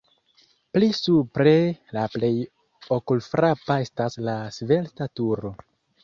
Pli supre la plej okulfrapa estas la svelta turo.